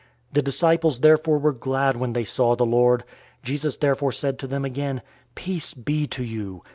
The disciples therefore were glad when they saw the Lord. 020:021 Jesus therefore said to them again, "Peace be to you.